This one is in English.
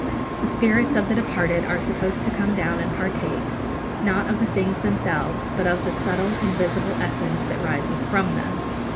The spirits of the departed are supposed to come down and partake, not of the things themselves, but of the subtle invisible essence that rises from them.